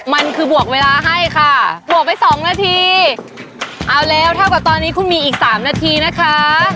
มันคือบวกเวลาให้ค่ะบวกไปสองนาทีเอาแล้วเท่ากับตอนนี้คุณมีอีกสามนาทีนะคะ